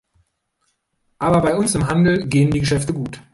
Aber bei uns im Handel gehen die Geschäfte gut.